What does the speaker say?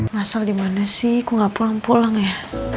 masal dimana sih kok gak pulang pulang ya